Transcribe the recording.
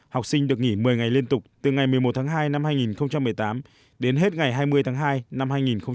học sinh được nghỉ một mươi ngày liên tục từ ngày một mươi một tháng hai năm hai nghìn một mươi tám đến hết ngày hai mươi tháng hai năm hai nghìn một mươi chín